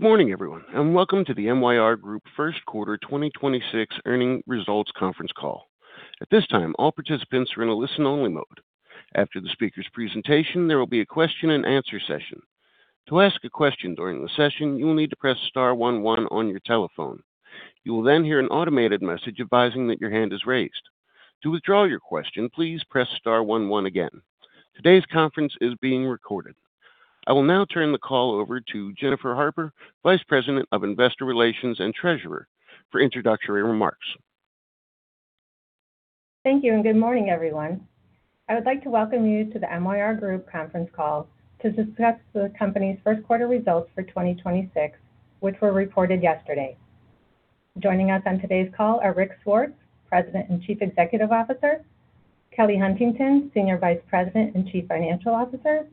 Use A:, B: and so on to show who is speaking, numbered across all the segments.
A: Good morning, everyone, and welcome to the MYR Group First Quarter 2026 Earning Results Conference Call. At this time, all participants are in a listen-only mode. After the speaker's presentation, there will be a question-and-answer session. To ask a question during the session, you will need to press star one one on your telephone. To withdraw your question, please press star one one again. Today's conference is being recorded. I will now turn the call over to Jennifer Harper, Vice President of Investor Relations and Treasurer for introductory remarks.
B: Thank you, and good morning, everyone. I would like to welcome you to the MYR Group conference call to discuss the company's first quarter results for 2026, which were reported yesterday. Joining us on today's call are Rick Swartz, President and Chief Executive Officer; Kelly M. Huntington, Senior Vice President and Chief Financial Officer;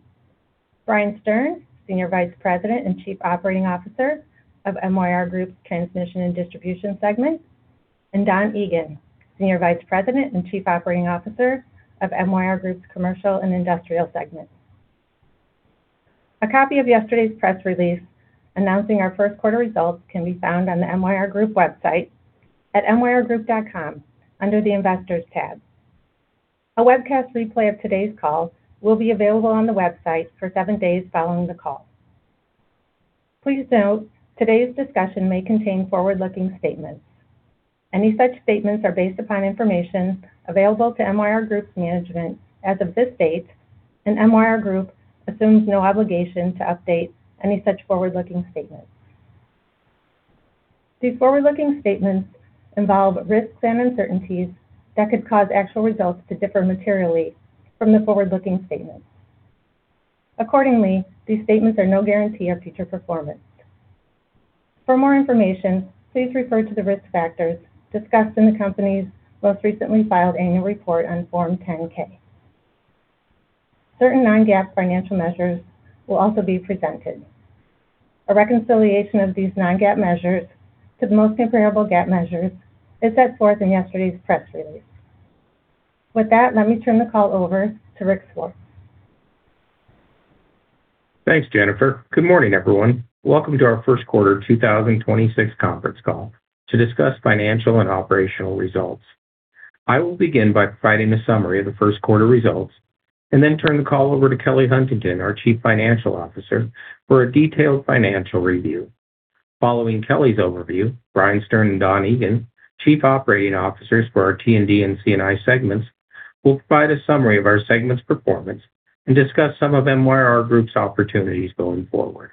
B: Brian Stern, Senior Vice President and Chief Operating Officer of MYR Group's Transmission & Distribution segment; and Don Egan, Senior Vice President and Chief Operating Officer of MYR Group's Commercial & Industrial segment. A copy of yesterday's press release announcing our first quarter results can be found on the MYR Group website at myrgroup.com under the Investors tab. A webcast replay of today's call will be available on the website for seven days following the call. Please note, today's discussion may contain forward-looking statements. Any such statements are based upon information available to MYR Group's management as of this date, and MYR Group assumes no obligation to update any such forward-looking statements. These forward-looking statements involve risks and uncertainties that could cause actual results to differ materially from the forward-looking statements. Accordingly, these statements are no guarantee of future performance. For more information, please refer to the risk factors discussed in the company's most recently filed annual report on form 10-K. Certain non-GAAP financial measures will also be presented. A reconciliation of these non-GAAP measures to the most comparable GAAP measures is set forth in yesterday's press release. With that, let me turn the call over to Rick S. Swartz.
C: Thanks, Jennifer. Good morning, everyone. Welcome to our first quarter 2026 conference call to discuss financial and operational results. I will begin by providing a summary of the first quarter results and then turn the call over to Kelly M. Huntington, our Chief Financial Officer, for a detailed financial review. Following Kelly's overview, Brian Stern and Don Egan, Chief Operating Officers for our T&D and C&I segments, will provide a summary of our segment's performance and discuss some of MYR Group's opportunities going forward.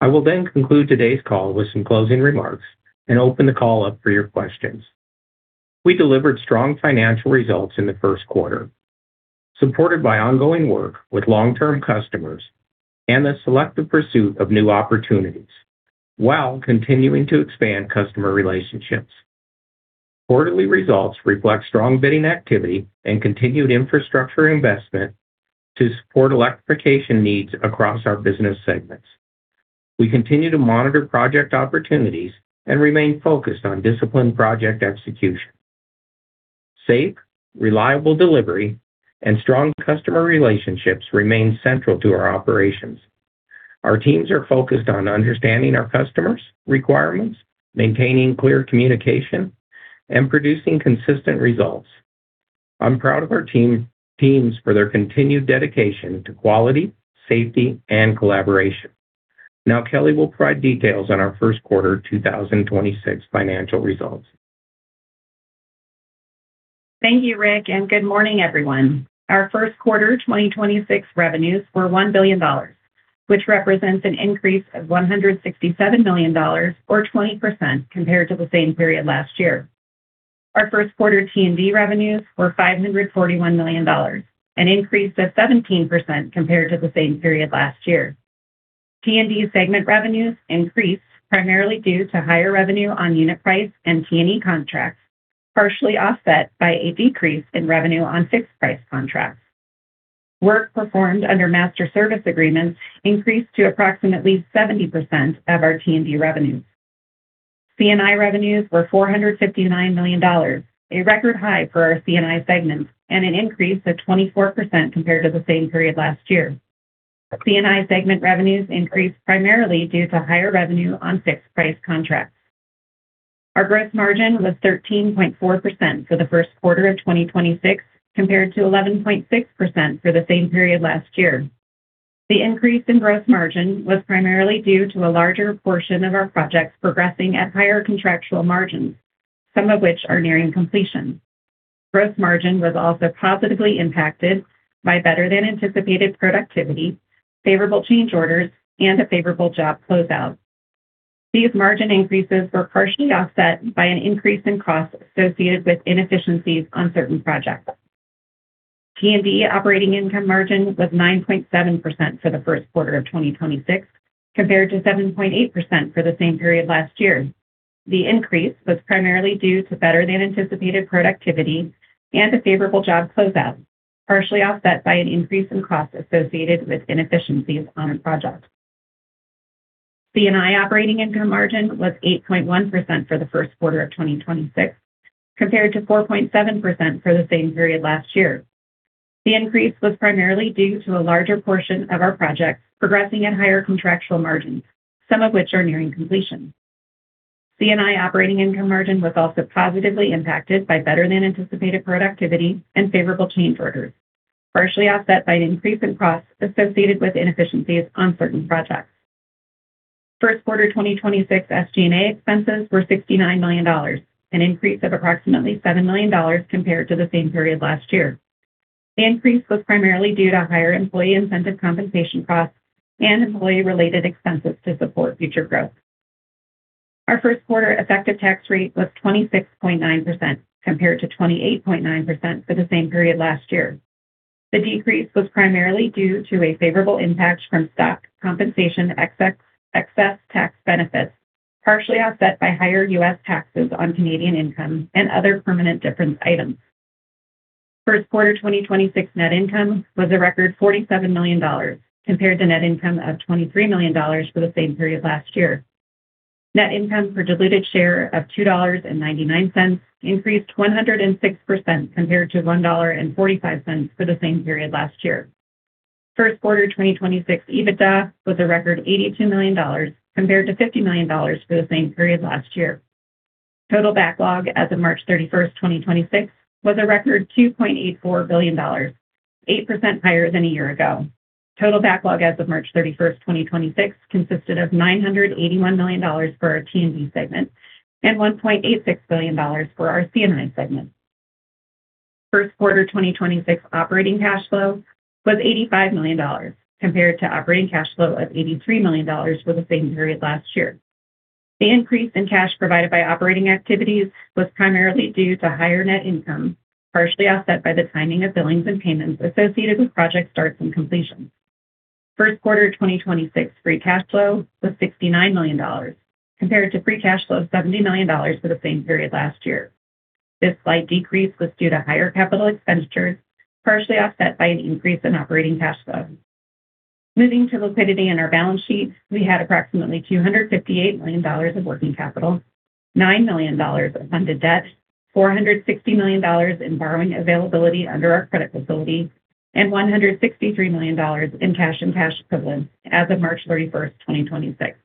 C: I will then conclude today's call with some closing remarks and open the call up for your questions. We delivered strong financial results in the first quarter, supported by ongoing work with long-term customers and the selective pursuit of new opportunities while continuing to expand customer relationships. Quarterly results reflect strong bidding activity and continued infrastructure investment to support electrification needs across our business segments. We continue to monitor project opportunities and remain focused on disciplined project execution. Safe, reliable delivery, and strong customer relationships remain central to our operations. Our teams are focused on understanding our customers' requirements, maintaining clear communication, and producing consistent results. I'm proud of our teams for their continued dedication to quality, safety, and collaboration. Now, Kelly will provide details on our first quarter 2026 financial results.
D: Thank you, Rick, and good morning, everyone. Our first quarter 2026 revenues were $1 billion, which represents an increase of $167 million or 20% compared to the same period last year. Our first quarter T&D revenues were $541 million, an increase of 17% compared to the same period last year. T&D segment revenues increased primarily due to higher revenue on unit price and T&M contracts, partially offset by a decrease in revenue on fixed price contracts. Work performed under master service agreements increased to approximately 70% of our T&D revenues. C&I revenues were $459 million, a record high for our C&I segments and an increase of 24% compared to the same period last year. C&I segment revenues increased primarily due to higher revenue on fixed-price contracts. Our gross margin was 13.4% for the first quarter of 2026, compared to 11.6% for the same period last year. The increase in gross margin was primarily due to a larger portion of our projects progressing at higher contractual margins, some of which are nearing completion. Gross margin was also positively impacted by better-than-anticipated productivity, favorable change orders, and a favorable job closeout. These margin increases were partially offset by an increase in costs associated with inefficiencies on certain projects. T&D operating income margin was 9.7% for the first quarter of 2026, compared to 7.8% for the same period last year. The increase was primarily due to better-than-anticipated productivity and a favorable job closeout, partially offset by an increase in costs associated with inefficiencies on a project. C&I operating income margin was 8.1% for the first quarter of 2026, compared to 4.7% for the same period last year. The increase was primarily due to a larger portion of our projects progressing at higher contractual margins, some of which are nearing completion. C&I operating income margin was also positively impacted by better than anticipated productivity and favorable change orders, partially offset by an increase in costs associated with inefficiencies on certain projects. First quarter 2026 SG&A expenses were $69 million, an increase of approximately $7 million compared to the same period last year. The increase was primarily due to higher employee incentive compensation costs and employee-related expenses to support future growth. Our first quarter effective tax rate was 26.9%, compared to 28.9% for the same period last year. The decrease was primarily due to a favorable impact from stock compensation excess tax benefits, partially offset by higher U.S. taxes on Canadian income and other permanent difference items. First quarter 2026 net income was a record $47 million compared to net income of $23 million for the same period last year. Net income per diluted share of $2.99 increased 106% compared to $1.45 for the same period last year. First quarter 2026 EBITDA was a record $82 million compared to $50 million for the same period last year. Total backlog as of March 31st, 2026, was a record $2.84 billion, 8% higher than a year ago. Total backlog as of March 31st, 2026, consisted of $981 million for our T&D segment and $1.86 billion for our C&I segment. First quarter 2026 operating cash flow was $85 million compared to operating cash flow of $83 million for the same period last year. The increase in cash provided by operating activities was primarily due to higher net income, partially offset by the timing of billings and payments associated with project starts and completions. First quarter 2026 free cash flow was $69 million compared to free cash flow of $70 million for the same period last year. This slight decrease was due to higher capital expenditures, partially offset by an increase in operating cash flow. Moving to liquidity in our balance sheet, we had approximately $258 million of working capital, $9 million of funded debt, $460 million in borrowing availability under our credit facility, and $163 million in cash and cash equivalents as of March 31st, 2026.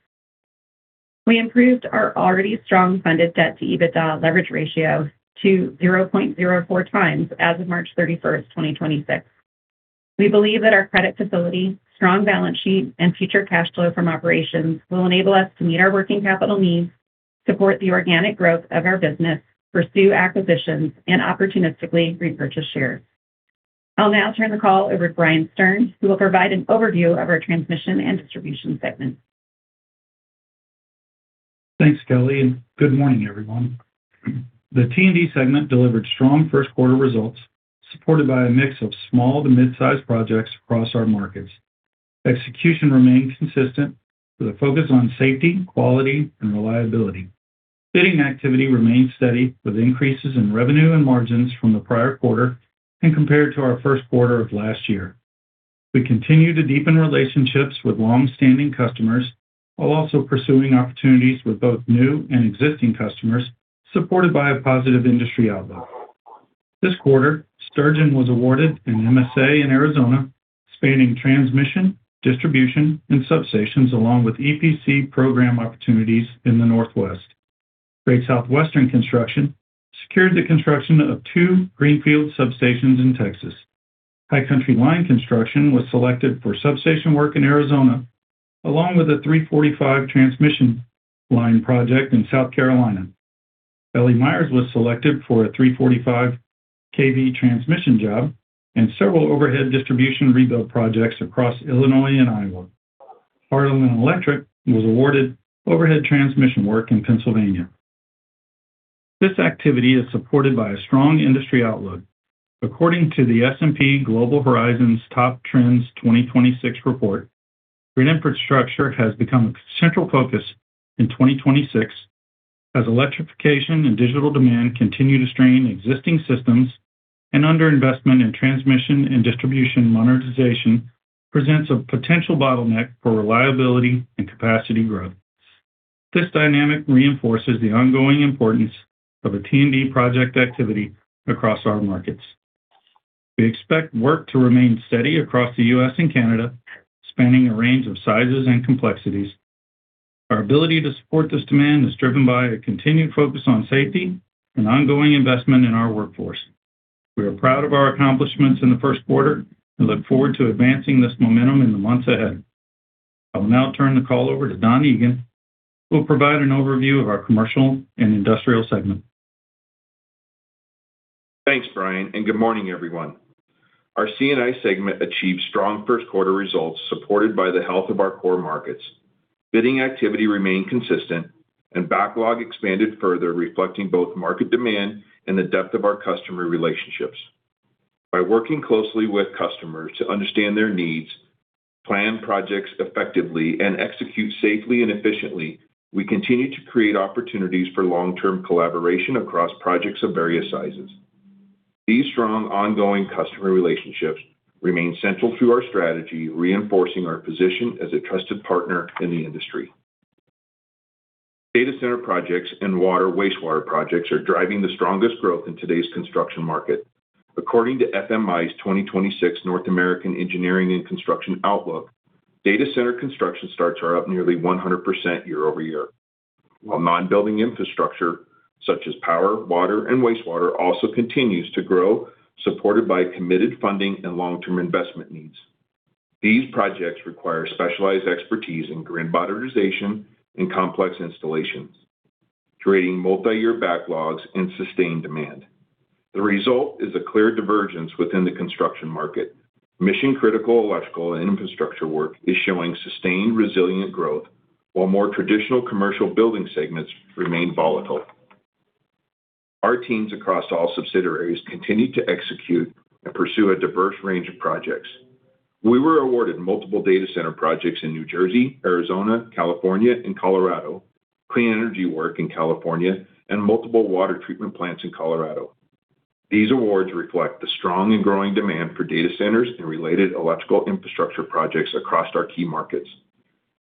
D: We improved our already strong funded debt to EBITDA leverage ratio to 0.04x as of March 31st, 2026. We believe that our credit facility, strong balance sheet, and future cash flow from operations will enable us to meet our working capital needs, support the organic growth of our business, pursue acquisitions, and opportunistically repurchase shares. I'll now turn the call over to Brian Stern, who will provide an overview of our Transmission & Distribution segment.
E: Thanks, Kelly. Good morning, everyone. The T&D segment delivered strong first quarter results, supported by a mix of small to mid-sized projects across our markets. Execution remained consistent with a focus on safety, quality, and reliability. Bidding activity remained steady with increases in revenue and margins from the prior quarter and compared to our first quarter of last year. We continue to deepen relationships with long-standing customers while also pursuing opportunities with both new and existing customers, supported by a positive industry outlook. This quarter, Sturgeon Electric Company was awarded an MSA in Arizona spanning transmission, distribution, and substations, along with EPC program opportunities in the Northwest. Great Southwestern Construction secured the construction of two greenfield substations in Texas. High Country Line Construction was selected for substation work in Arizona, along with a 345 kV transmission line project in South Carolina. The L.E. Myers Co. was selected for a 345 kV transmission job and several overhead distribution rebuild projects across Illinois and Iowa. Harlan Electric Company was awarded overhead transmission work in Pennsylvania. This activity is supported by a strong industry outlook. According to the S&P Global Horizons Top Trends 2026 report, grid infrastructure has become a central focus in 2026 as electrification and digital demand continue to strain existing systems and underinvestment in transmission and distribution modernization presents a potential bottleneck for reliability and capacity growth. This dynamic reinforces the ongoing importance of a T&D project activity across our markets. We expect work to remain steady across the U.S. and Canada, spanning a range of sizes and complexities. Our ability to support this demand is driven by a continued focus on safety and ongoing investment in our workforce. We are proud of our accomplishments in the first quarter and look forward to advancing this momentum in the months ahead. I will now turn the call over to Don Egan, who will provide an overview of our Commercial & Industrial segment.
F: Thanks, Brian, and good morning, everyone. Our C&I segment achieved strong first quarter results supported by the health of our core markets. Bidding activity remained consistent and backlog expanded further, reflecting both market demand and the depth of our customer relationships. By working closely with customers to understand their needs, plan projects effectively, and execute safely and efficiently, we continue to create opportunities for long-term collaboration across projects of various sizes. These strong ongoing customer relationships remain central to our strategy, reinforcing our position as a trusted partner in the industry. Data center projects and water wastewater projects are driving the strongest growth in today's construction market. According to FMI's 2026 North American Engineering and Construction Outlook, data center construction starts are up nearly 100% year-over-year. While non-building infrastructure such as power, water, and wastewater also continues to grow, supported by committed funding and long-term investment needs. These projects require specialized expertise in grid modernization and complex installations, creating multiyear backlogs and sustained demand. The result is a clear divergence within the construction market. Mission-critical electrical and infrastructure work is showing sustained resilient growth, while more traditional commercial building segments remain volatile. Our teams across all subsidiaries continue to execute and pursue a diverse range of projects. We were awarded multiple data center projects in New Jersey, Arizona, California, and Colorado, clean energy work in California, and multiple water treatment plants in Colorado. These awards reflect the strong and growing demand for data centers and related electrical infrastructure projects across our key markets.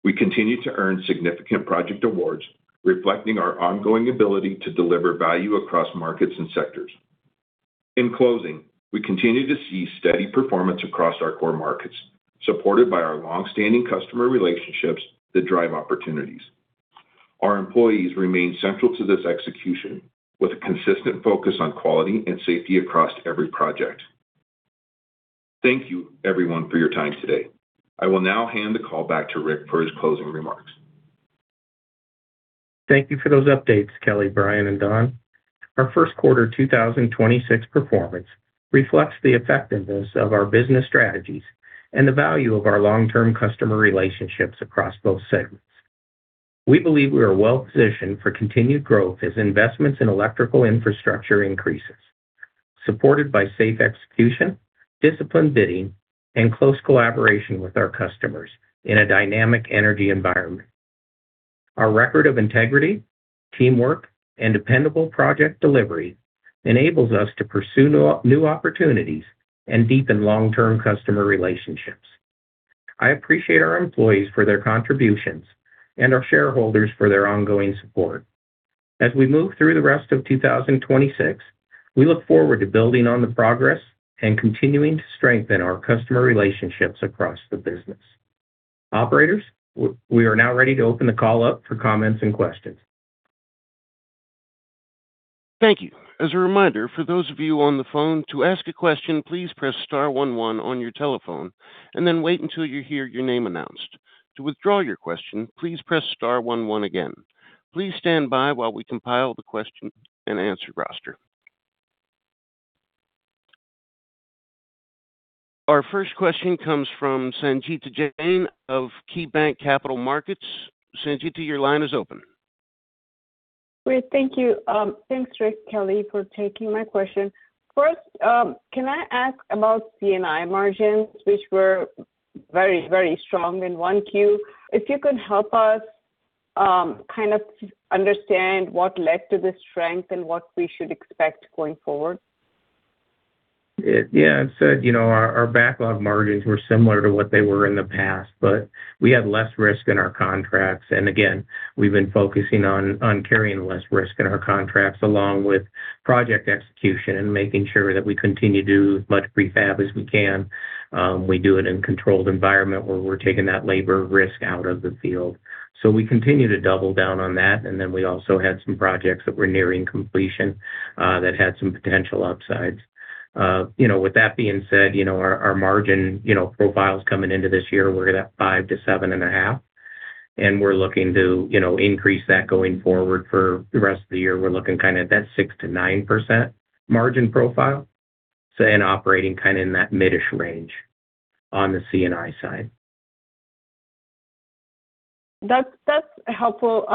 F: We continue to earn significant project awards, reflecting our ongoing ability to deliver value across markets and sectors. In closing, we continue to see steady performance across our core markets, supported by our long-standing customer relationships that drive opportunities. Our employees remain central to this execution with a consistent focus on quality and safety across every project. Thank you everyone for your time today. I will now hand the call back to Rick for his closing remarks.
C: Thank you for those updates, Kelly, Brian, and Don. Our first quarter 2026 performance reflects the effectiveness of our business strategies and the value of our long-term customer relationships across both segments. We believe we are well-positioned for continued growth as investments in electrical infrastructure increases, supported by safe execution, disciplined bidding, and close collaboration with our customers in a dynamic energy environment. Our record of integrity, teamwork, and dependable project delivery enables us to pursue new opportunities and deepen long-term customer relationships. I appreciate our employees for their contributions and our shareholders for their ongoing support. As we move through the rest of 2026, we look forward to building on the progress and continuing to strengthen our customer relationships across the business. Operators, we are now ready to open the call up for comments and questions.
A: Thank you. As a reminder, for those of you on the phone, to ask a question, please press star one one on your telephone and then wait until you hear your name announced. To withdraw your question, please press star one one again. Please stand by while we compile the question and answer roster. Our first question comes from Sangita Jain of KeyBanc Capital Markets. Sangita, your line is open.
G: Great. Thank you. Thanks Rick, Kelly, for taking my question. First, can I ask about C&I margins, which were very, very strong in 1Q? If you could help us, kind of understand what led to the strength and what we should expect going forward.
C: Yeah. I'd said, you know, our backlog margins were similar to what they were in the past. We had less risk in our contracts. Again, we've been focusing on carrying less risk in our contracts along with project execution and making sure that we continue to do as much prefab as we can. We do it in a controlled environment where we're taking that labor risk out of the field. We continue to double down on that. Then we also had some projects that were nearing completion that had some potential upsides. You know, with that being said, you know, our margin, you know, profiles coming into this year were at a 5%-7.5%, and we're looking to, you know, increase that going forward for the rest of the year. We're looking kind of at that 6%-9% margin profile. In operating kind of in that mid-ish range on the C&I side.
G: That's helpful.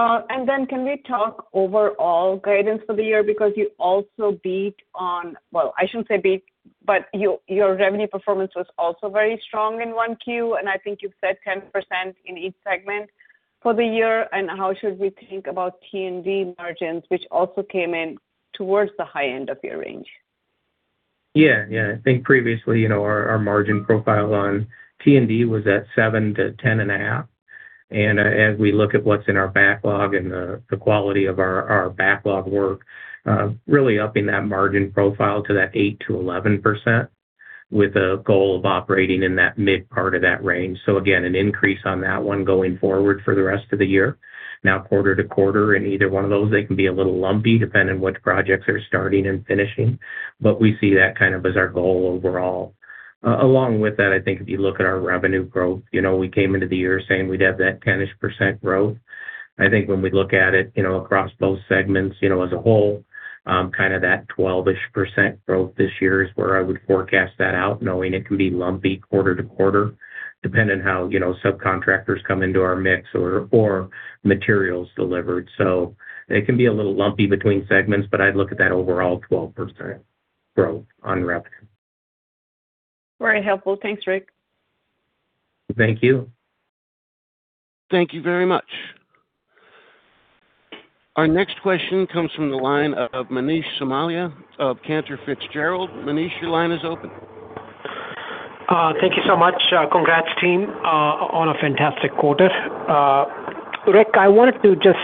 G: Can we talk overall guidance for the year because your revenue performance was also very strong in 1Q, and I think you've said 10% in each segment for the year. How should we think about T&D margins, which also came in towards the high end of your range?
C: Yeah. Yeah. I think previously, you know, our margin profile on T&D was at 7%-10.5%. As we look at what's in our backlog and the quality of our backlog work, really upping that margin profile to that 8%-11% with a goal of operating in that mid-part of that range. Again, an increase on that one going forward for the rest of the year. Now quarter to quarter, in either one of those, they can be a little lumpy depending on which projects are starting and finishing, but we see that kind of as our goal overall. Along with that, I think if you look at our revenue growth, you know, we came into the year saying we'd have that 10-ish% growth. I think when we look at it, you know, across both segments, you know, as a whole, kind of that 12-ish% growth this year is where I would forecast that out, knowing it can be lumpy quarter to quarter, depending how, you know, subcontractors come into our mix or materials delivered. It can be a little lumpy between segments, but I'd look at that overall 12% growth on rev.
G: Very helpful. Thanks, Rick.
C: Thank you.
A: Thank you very much. Our next question comes from the line of Manish Somaiya of Cantor Fitzgerald. Manish, your line is open.
H: Thank you so much. Congrats team, on a fantastic quarter. Rick, I wanted to just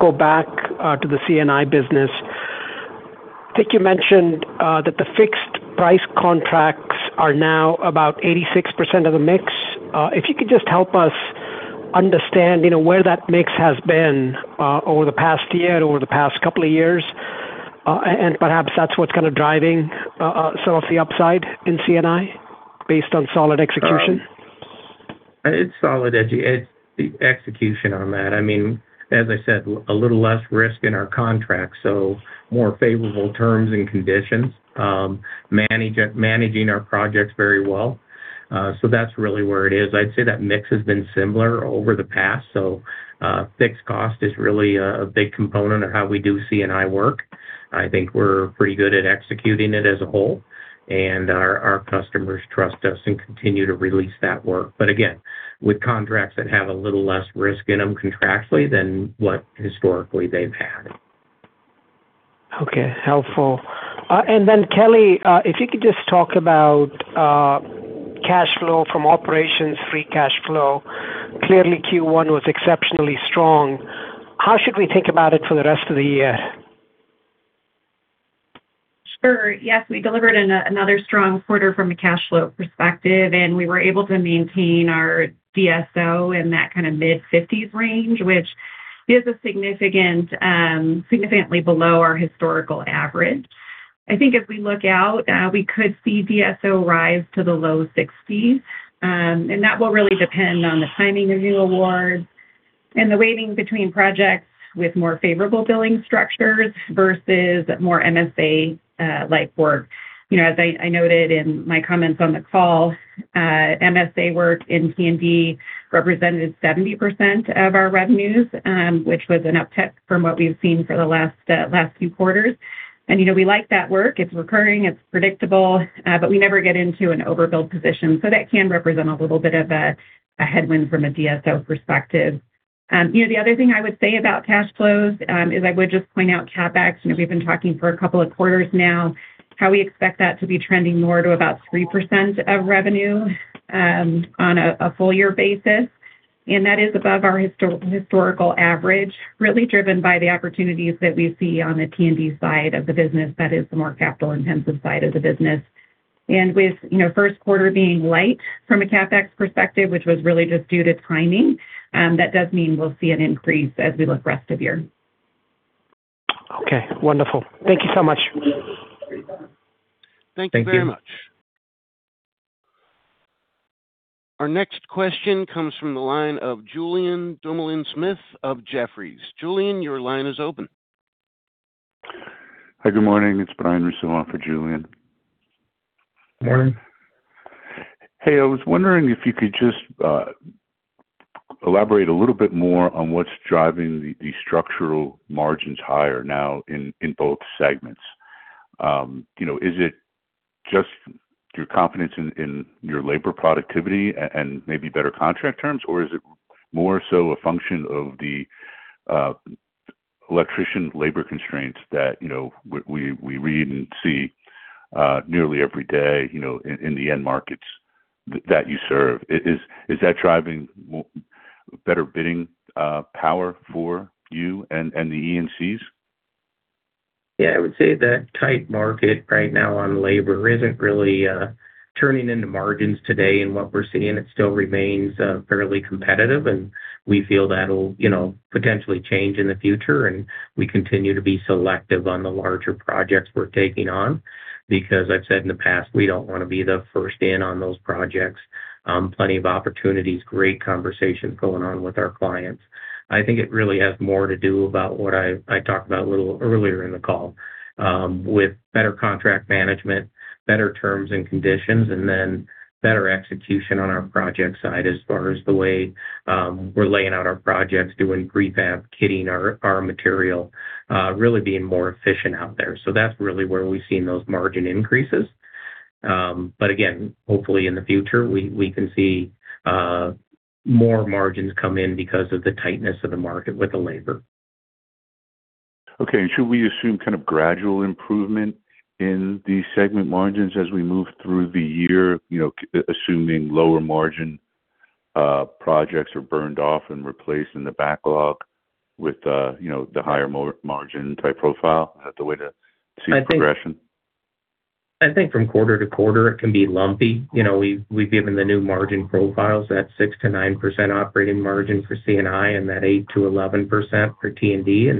H: go back to the C&I business. I think you mentioned that the fixed price contracts are now about 86% of the mix. If you could just help us understand, you know, where that mix has been over the past year, over the past two years, and perhaps that's what's kind of driving some of the upside in C&I based on solid execution.
C: It's solid execution on that. I mean, as I said, a little less risk in our contracts, so more favorable terms and conditions. Managing our projects very well. That's really where it is. I'd say that mix has been similar over the past. Fixed cost is really a big component of how we do C&I work. I think we're pretty good at executing it as a whole, and our customers trust us and continue to release that work. Again, with contracts that have a little less risk in them contractually than what historically they've had.
H: Okay. Helpful. Then Kelly, if you could just talk about cash flow from operations, free cash flow. Clearly Q1 was exceptionally strong. How should we think about it for the rest of the year?
D: Sure. Yes, we delivered another strong quarter from a cash flow perspective, and we were able to maintain our DSO in that kind of mid-50s range, which is a significant, significantly below our historical average. I think if we look out, we could see DSO rise to the low 60s, and that will really depend on the timing of new awards and the weighting between projects with more favorable billing structures versus more MSA like work. You know, as I noted in my comments on the call, MSA work in T&D represented 70% of our revenues, which was an uptick from what we've seen for the last few quarters. You know, we like that work. It's recurring, it's predictable, but we never get into an overbilled position. That can represent a little bit of a headwind from a DSO perspective. You know, the other thing I would say about cash flows is I would just point out CapEx. You know, we've been talking for a couple of quarters now how we expect that to be trending more to about 3% of revenue on a full year basis. That is above our historical average, really driven by the opportunities that we see on the T&D side of the business that is the more capital-intensive side of the business. With, you know, first quarter being light from a CapEx perspective, which was really just due to timing, that does mean we'll see an increase as we look rest of year.
H: Okay. Wonderful. Thank you so much.
C: Thank you.
A: Thank you very much. Our next question comes from the line of Julien Dumoulin-Smith of Jefferies. Julien, your line is open.
I: Hi, good morning. It's Brian Russo on for Julien.
C: Morning.
I: Hey, I was wondering if you could just elaborate a little bit more on what's driving the structural margins higher now in both segments. You know, is it just your confidence in your labor productivity and maybe better contract terms, or is it more so a function of the electrician labor constraints that, you know, we read and see nearly every day, you know, in the end markets that you serve? Is that driving better bidding power for you and the ENCs?
C: Yeah, I would say the tight market right now on labor isn't really turning into margins today in what we're seeing. It still remains fairly competitive, and we feel that'll, you know, potentially change in the future. We continue to be selective on the larger projects we're taking on because I've said in the past, we don't wanna be the first in on those projects. Plenty of opportunities, great conversations going on with our clients. I think it really has more to do about what I talked about a little earlier in the call, with better contract management, better terms and conditions, and then better execution on our project side as far as the way we're laying out our projects, doing pre-fab, kitting our material, really being more efficient out there. That's really where we've seen those margin increases. Again, hopefully in the future, we can see more margins come in because of the tightness of the market with the labor.
I: Okay. Should we assume kind of gradual improvement in the segment margins as we move through the year, you know, assuming lower margin projects are burned off and replaced in the backlog with, you know, the higher margin type profile? Is that the way to see progression?
C: I think from quarter to quarter it can be lumpy. You know, we've given the new margin profiles, that 6% to 9% operating margin for C&I and that 8% to 11% for T&D.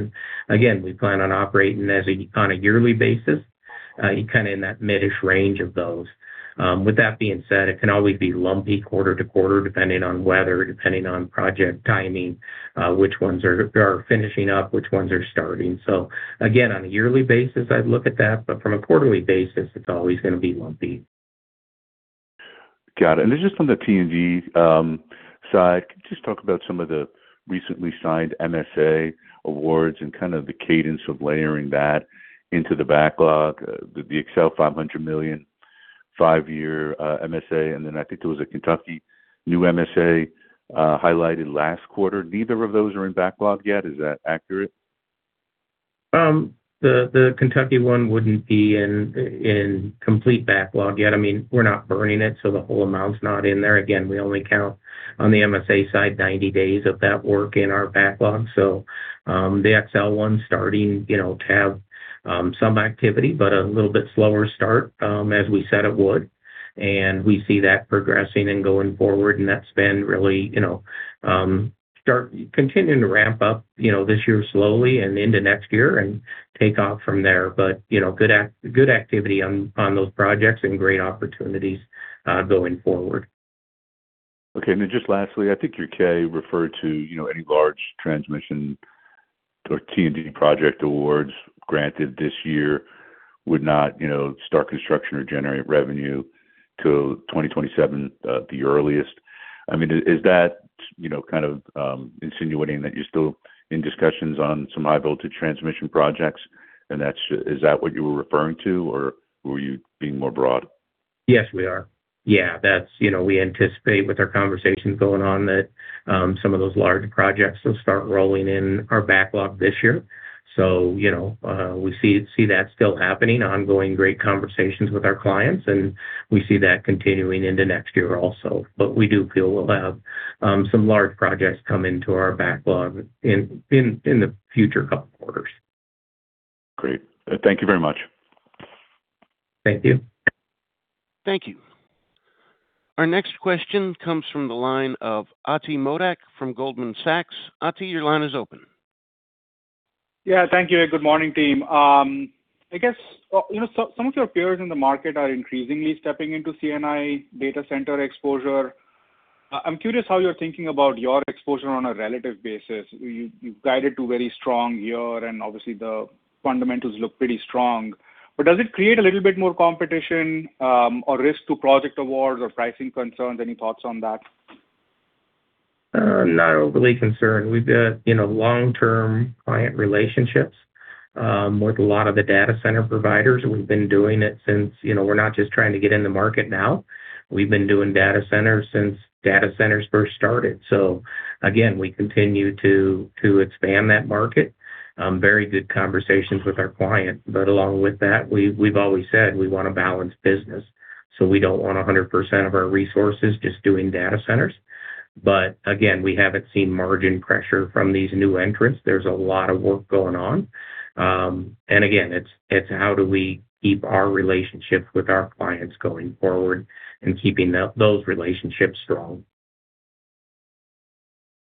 C: Again, we plan on operating on a yearly basis, kind of in that mid-ish range of those. With that being said, it can always be lumpy quarter to quarter depending on weather, depending on project timing, which ones are finishing up, which ones are starting. Again, on a yearly basis I'd look at that, but from a quarterly basis it's always gonna be lumpy.
I: Got it. Just on the T&D side, can you just talk about some of the recently signed MSA awards and kind of the cadence of layering that into the backlog? The Xcel Energy $500 million, five-year MSA, and then I think there was a Kentucky new MSA highlighted last quarter. Neither of those are in backlog yet. Is that accurate?
C: The, the Kentucky one wouldn't be in complete backlog yet. I mean, we're not burning it, so the whole amount's not in there. Again, we only count on the MSA side 90 days of that work in our backlog. The Xcel Energy one's starting, you know, to have some activity, but a little bit slower start, as we said it would. We see that progressing and going forward, and that's been really, you know, start continuing to ramp up, you know, this year slowly and into next year and take off from there. You know, good activity on those projects and great opportunities going forward.
I: Okay. Then just lastly, I think your 10-K referred to, you know, any large transmission or T&D project awards granted this year would not, you know, start construction or generate revenue till 2027 at the earliest. I mean, is that, you know, kind of insinuating that you're still in discussions on some high voltage transmission projects, and that's is that what you were referring to or were you being more broad?
C: Yes, we are. That's. You know, we anticipate with our conversations going on that some of those large projects will start rolling in our backlog this year. You know, we see that still happening, ongoing great conversations with our clients, and we see that continuing into next year also. We do feel we'll have some large projects come into our backlog in the future two quarters.
I: Great. Thank you very much.
C: Thank you.
A: Thank you. Our next question comes from the line of Ati Modak from Goldman Sachs. Ati, your line is open.
J: Yeah, thank you. Good morning, team. I guess, you know, some of your peers in the market are increasingly stepping into C&I data center exposure. I'm curious how you're thinking about your exposure on a relative basis. You've guided to very strong year, and obviously the fundamentals look pretty strong. Does it create a little bit more competition, or risk to project awards or pricing concerns? Any thoughts on that?
C: Not overly concerned. We've got, you know, long-term client relationships with a lot of the data center providers. We've been doing it since. You know, we're not just trying to get in the market now. We've been doing data centers since data centers first started. Again, we continue to expand that market. Very good conversations with our client. Along with that, we've always said we want a balanced business, so we don't want 100% of our resources just doing data centers. Again, we haven't seen margin pressure from these new entrants. There's a lot of work going on. Again, it's how do we keep our relationships with our clients going forward and keeping those relationships strong.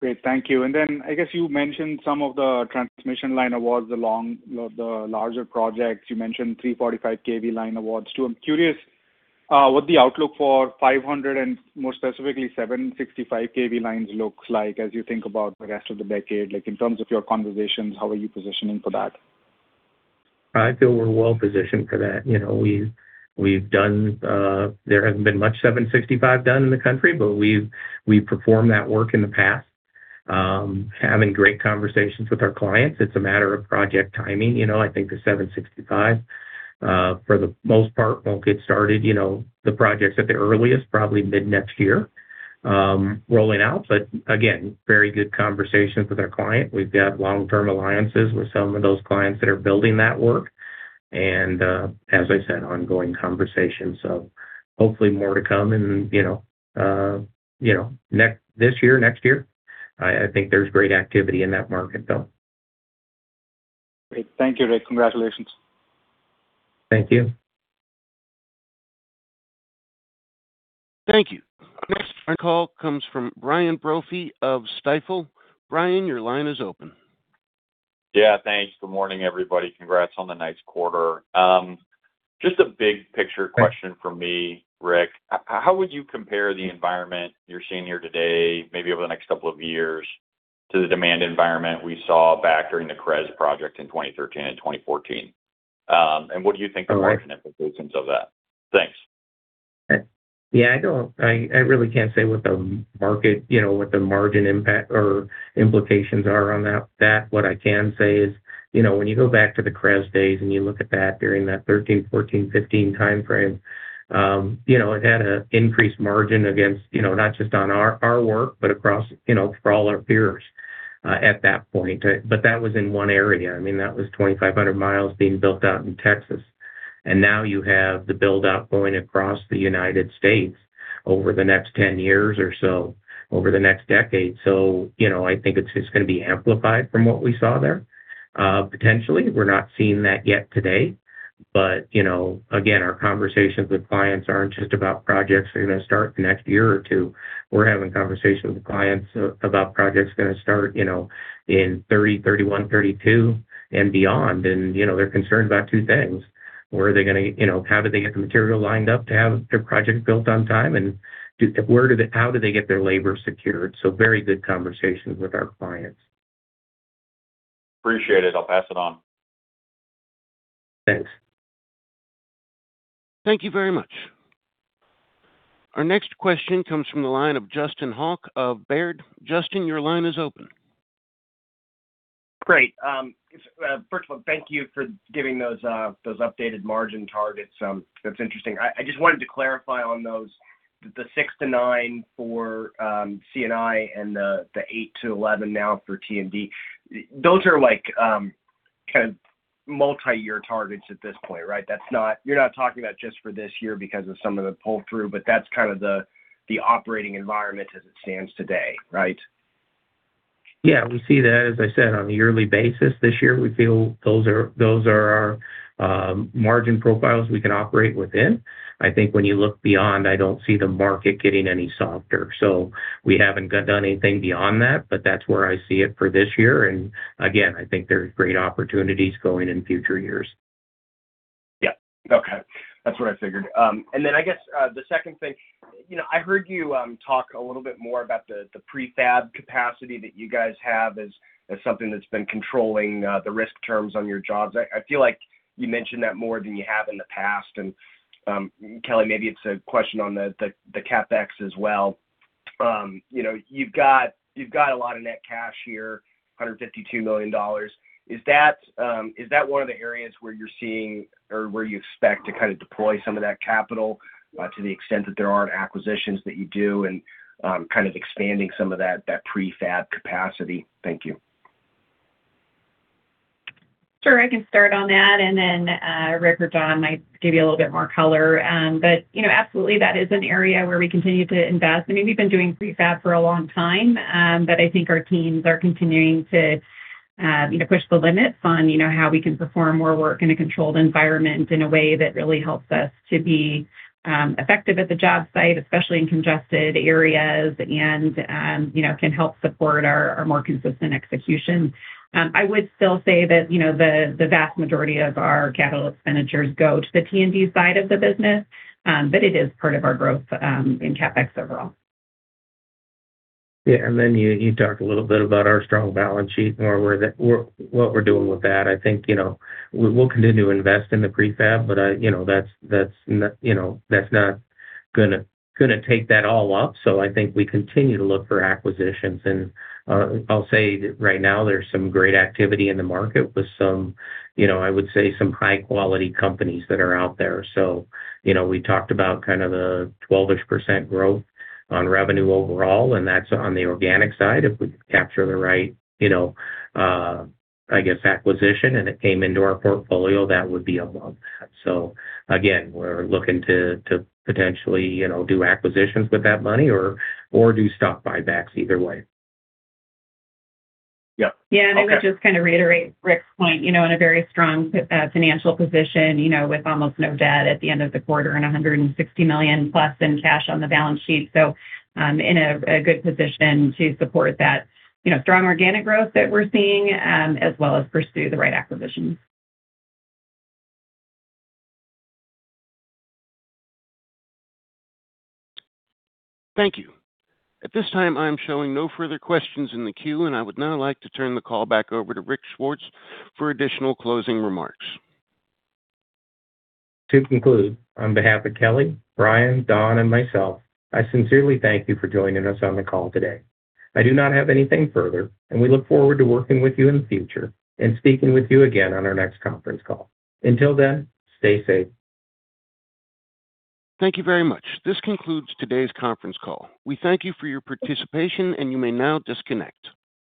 J: Great. Thank you. I guess you mentioned some of the transmission line awards along the larger projects. You mentioned 345 kV line awards too. I'm curious what the outlook for 500 and more specifically 765 kV lines looks like as you think about the rest of the decade. Like, in terms of your conversations, how are you positioning for that?
C: I feel we're well positioned for that. You know, we've done. There hasn't been much 765 kV done in the country, but we've performed that work in the past. Having great conversations with our clients. It's a matter of project timing. You know, I think the 765 kV, for the most part, won't get started, you know, the projects at the earliest, probably mid-next year, rolling out. Again, very good conversations with our client. We've got long-term alliances with some of those clients that are building that work and, as I said, ongoing conversations, so hopefully more to come in, you know, this year, next year. I think there's great activity in that market though.
J: Great. Thank you, Rick. Congratulations.
C: Thank you.
A: Thank you. Next call comes from Brian Brophy of Stifel. Brian, your line is open.
K: Yeah, thanks. Good morning, everybody. Congrats on the nice quarter. Just a big picture question from me, Rick. How would you compare the environment you're seeing here today, maybe over the next couple of years, to the demand environment we saw back during the CREZ project in 2013 and 2014? And what do you think are the market implications of that? Thanks.
C: Yeah, I really can't say what the market, you know, what the margin impact or implications are on that. What I can say is, you know, when you go back to the CREZ days and you look at that during that 2013, 2014, 2015 timeframe, you know, it had an increased margin against, you know, not just on our work, but across, you know, for all our peers at that point. That was in one area. I mean, that was 2,500 kV miles being built out in Texas. Now you have the build out going across the U.S. over the next 10 years or so, over the next decade. You know, I think it's gonna be amplified from what we saw there potentially. We're not seeing that yet today. You know, again, our conversations with clients aren't just about projects that are gonna start the next year or two. We're having conversations with clients about projects gonna start, you know, in 2030, 2031, 2032, and beyond. You know, they're concerned about two things. You know, how do they get the material lined up to have their project built on time? How do they get their labor secured? Very good conversations with our clients.
K: Appreciate it. I'll pass it on.
C: Thanks.
A: Thank you very much. Our next question comes from the line of Justin Hauke of Baird. Justin, your line is open.
L: Great. First of all, thank you for giving those updated margin targets. That's interesting. I just wanted to clarify on those. The 6%-9% for C&I and the 8%-11% now for T&D, those are like kind of multi-year targets at this point, right? That's not. You're not talking about just for this year because of some of the pull-through, but that's kind of the operating environment as it stands today, right?
C: Yeah. We see that, as I said, on a yearly basis this year. We feel those are our margin profiles we can operate within. I think when you look beyond, I don't see the market getting any softer. We haven't done anything beyond that, but that's where I see it for this year. Again, I think there's great opportunities going in future years.
L: Yeah. Okay. That's what I figured. I guess the second thing. You know, I heard you talk a little bit more about the prefab capacity that you guys have as something that's been controlling the risk terms on your jobs. I feel like you mentioned that more than you have in the past. Kelly, maybe it's a question on the CapEx as well. You know, you've got a lot of net cash here, $152 million. Is that one of the areas where you're seeing or where you expect to kind of deploy some of that capital to the extent that there aren't acquisitions that you do and kind of expanding some of that prefab capacity? Thank you.
D: Sure. I can start on that, and then Rick or Don might give you a little bit more color. You know, absolutely, that is an area where we continue to invest. I mean, we've been doing prefab for a long time, but I think our teams are continuing to, you know, push the limits on, you know, how we can perform more work in a controlled environment in a way that really helps us to be effective at the job site, especially in congested areas and, you know, can help support our more consistent execution. I would still say that, you know, the vast majority of our capital expenditures go to the T&D side of the business, but it is part of our growth in CapEx overall.
C: Yeah. You, you talked a little bit about our strong balance sheet and where we're what we're doing with that. I think, you know, we'll continue to invest in the prefab, but I, you know, that's you know, that's not gonna take that all up. I think we continue to look for acquisitions. I'll say right now there's some great activity in the market with some, you know, I would say some high quality companies that are out there. You know, we talked about kind of the 12-ish% growth on revenue overall, and that's on the organic side. If we capture the right, you know, I guess, acquisition and it came into our portfolio, that would be above that. Again, we're looking to potentially, you know, do acquisitions with that money or do stock buybacks either way.
L: Yeah. Okay.
D: Yeah. I would just kind of reiterate Rick's point. You know, in a very strong financial position, you know, with almost no debt at the end of the quarter and $160 million plus in cash on the balance sheet. In a good position to support that, you know, strong organic growth that we're seeing, as well as pursue the right acquisitions.
A: Thank you. At this time, I am showing no further questions in the queue, and I would now like to turn the call back over to Rick Swartz for additional closing remarks.
C: To conclude, on behalf of Kelly, Brian, Don, and myself, I sincerely thank you for joining us on the call today. I do not have anything further, and we look forward to working with you in the future and speaking with you again on our next conference call. Until then, stay safe.
A: Thank you very much. This concludes today's conference call. We thank you for your participation, and you may now disconnect.